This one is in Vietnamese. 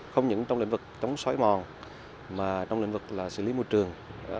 không những trong lĩnh vực chống xói mòn mà trong lĩnh vực là xử lý môi trường